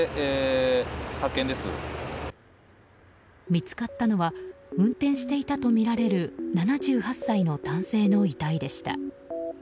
見つかったのは運転していたとみられる７８歳の男性の遺体でした。